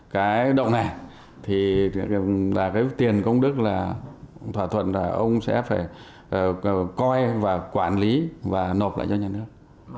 cái động này là cái tiền công đức là thỏa thuận là ông sẽ phải coi và quản lý và nộp lại cho nhà nước